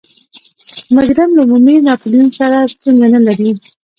مجرم له عمومي ناپلیون سره ستونزه نلري.